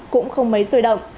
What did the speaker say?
cũng không mấy sôi động